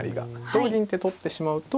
同銀って取ってしまうと。